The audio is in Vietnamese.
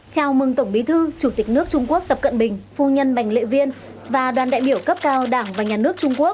chào mừng tổng bí thư chủ tịch nước trung quốc tập cận bình phu nhân bành lệ viên và đoàn đại biểu cấp cao đảng và nhà nước trung quốc